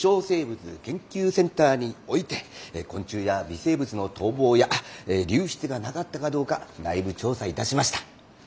生物研究センターにおいて昆虫や微生物の逃亡や流出がなかったかどうか内部調査いたしました。